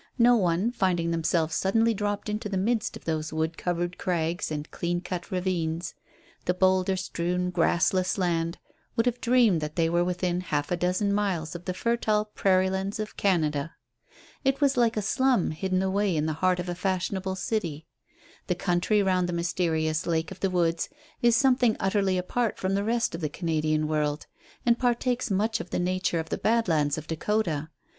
No one, finding themselves suddenly dropped into the midst of those wood covered crags and clean cut ravines, the boulder strewn, grassless land, would have dreamed that they were within half a dozen miles of the fertile prairie lands of Canada. It was like a slum hidden away in the heart of a fashionable city. The country round the mysterious Lake of the Woods is something utterly apart from the rest of the Canadian world, and partakes much of the nature of the Badlands of Dakota.